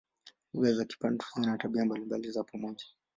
Lugha za Kibantu zina tabia mbalimbali za pamoja.